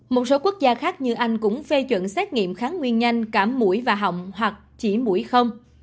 một số quốc gia khác như anh cũng phê chuẩn xét nghiệm kháng nguyên nhanh cả mũi và họng hoặc chỉ mũi không